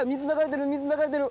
水流れてる！